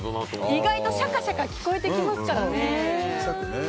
意外とシャカシャカ聞こえてきますからね。